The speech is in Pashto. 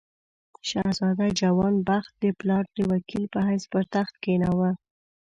شهزاده جوان بخت د پلار د وکیل په حیث پر تخت کښېناوه.